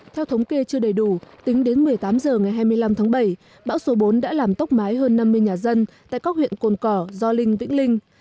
theo thống kê chưa đầy đủ tính đến một mươi tám h ngày hai mươi năm tháng bảy bão số bốn đã làm tốc mái hơn năm mươi nhà dân tại các huyện cồn cỏ gio linh vĩnh linh